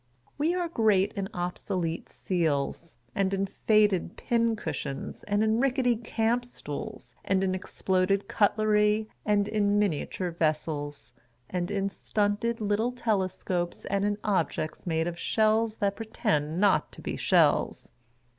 We are great in obsolete seals, and in faded pin cushions, and in rickety camp stools, and in exploded cutlery, and in miniature vessels, and in stunted little telescopes, and in objects made of shells that pretend not to be shells.